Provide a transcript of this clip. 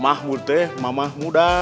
mahmud teh mamah muda